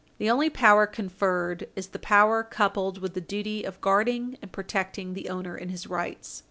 The only power conferred is the power coupled with the duty of guarding and protecting the owner in his rights.